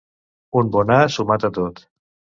Un bon as ho mata tot.